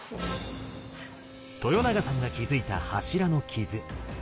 豊永さんが気付いた柱の傷。